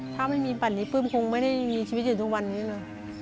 ถ้าไม่มีปั่นนี้ปื้มคงไม่ได้มีชีวิตอยู่ทุกวันนี้เลย